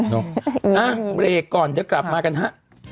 นะเรกก่อนจะกลับมากันฮะ